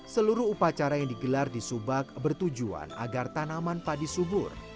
seluruh upacara yang digelar di subak bertujuan agar tanaman padi subur